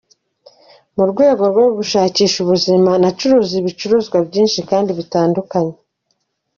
Mu rwego rwo gushakisha ubuzima, nacuruje ibicuruzwa byinshi kandi bitandukanye.